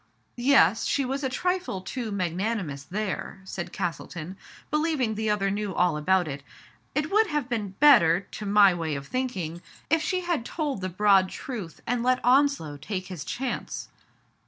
" Yes, she was a trifle too magnanimous there," said Castleton, believing the other knew all about it. " It would have been better, to my way of thinking, if she had told the broad truth, and let Onslow take his chance."